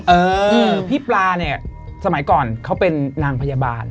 เออพี่ปลาเนี่ยสมัยก่อนเขาเป็นนางพยาบาล